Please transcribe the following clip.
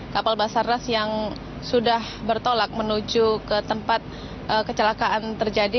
kapal basarnas yang sudah bertolak menuju ke tempat kecelakaan terjadi